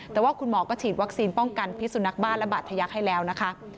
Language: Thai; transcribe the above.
แต่ว่าคุณหมอก็ฉีดวัคซีนป้องกันพิสุนักบ้านและบาดทะยักษ์ให้แล้วนะคะ